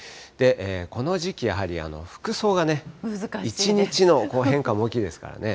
この時期、やはり服装がね、一日の変化も大きいですからね。